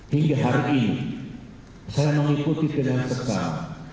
hingga hari ini saya mengikuti dengan tegal